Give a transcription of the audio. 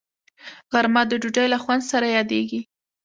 غرمه د ډوډۍ له خوند سره یادیږي